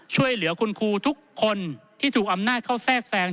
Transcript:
ช่วยเหลือคุณครูทุกคนที่ถูกอำนาจเข้าแทรกแทรง